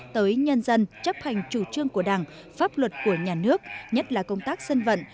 tới nhân dân chấp hành chủ trương của đảng pháp luật của nhà nước nhất là công tác dân vận